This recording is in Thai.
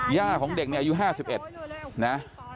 ย่าของเด็กนี้อายุ๕๑นะ